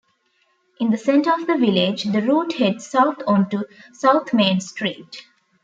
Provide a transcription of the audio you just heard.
In the center of the village, the route heads south onto South Main Street.